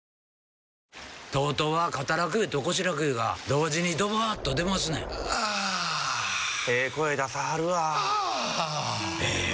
ＴＯＴＯは肩楽湯と腰楽湯が同時にドバーッと出ますねんあええ声出さはるわあええ